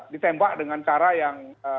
ditembak dengan cara yang